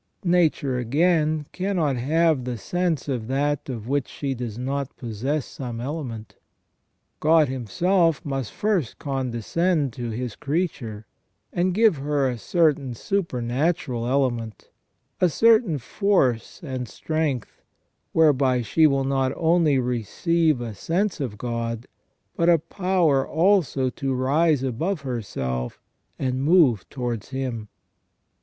Nature, again, cannot have the sense of that of which she does not possess some element. God Himself must first condescend to His creature, and give her a certain supernatural element, a certain force and strength, whereby she will not only receive a sense of God, but a power also to rise above herself and move towards Him.